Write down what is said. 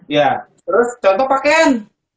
ya terus contoh pakaian